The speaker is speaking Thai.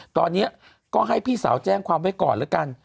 ตอนนี้ก็ให้พี่สาวแจ้งความไว้ก่อนแล้วกัน